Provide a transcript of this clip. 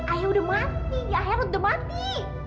ayah udah mati ya herut udah mati